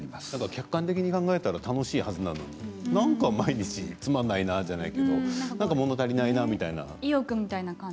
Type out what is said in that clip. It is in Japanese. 客観的に考えたら楽しいはずなのになんか毎日つまらないじゃないけど何かもの足りないなみたいな。